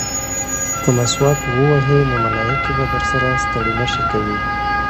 که مسواک ووهې نو ملایکې به درسره ستړې مه شي کوي.